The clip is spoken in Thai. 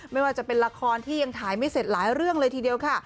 ไม่ว่าจะเป็นละครที่ยังถ่ายไม่เสร็จหลายเรื่องเลยทีเดียวค่ะ